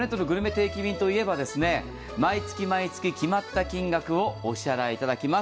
定期便といえば、毎月決まった金額をお支払いいただきます。